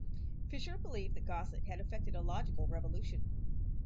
Fisher believed that Gosset had effected a "logical revolution".